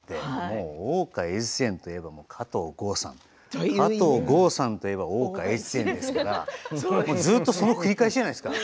加藤剛さんが３０年おやりになって「大岡越前」といえば加藤剛さん加藤剛さんといえば「大岡越前」ですからずっとその繰り返しじゃないですか。